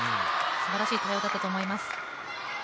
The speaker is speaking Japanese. すばらしい対応だったと思います。